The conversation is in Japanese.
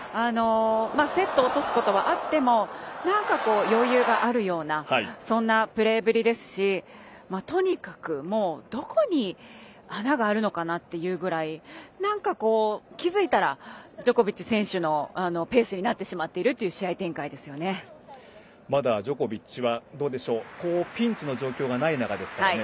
セットを落とすことはあってもなんか余裕があるようなそんなプレーぶりですしとにかく、もうどこに穴があるのかなっていうぐらいなんか気付いたらジョコビッチ選手のペースになってしまっているというまだジョコビッチはピンチの状況がない中ですからね。